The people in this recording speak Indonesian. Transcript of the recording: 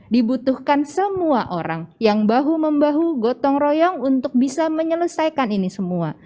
dibutuhkan semua orang yang bahu membahu gotong royong untuk bisa menyelesaikan ini semua